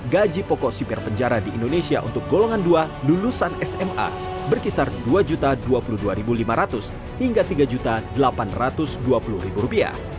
gaji pokok sipir penjara di indonesia untuk golongan dua lulusan sma berkisar rp dua dua puluh dua lima ratus hingga rp tiga delapan ratus dua puluh